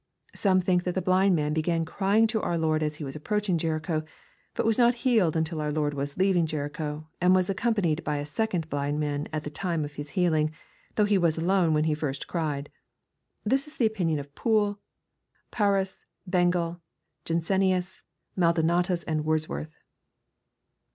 Some think that the blind man began crying to our Lord as He was approaching Jericho, but was not healed until our J^ord was leaving Jericho, and was accompanied by the second Hind man at the time of his healing, though he was alone when he first cried. This is the opinion of Poole, Paraus, Bengel, Jansenius, Maldonatus, and Wordsworth.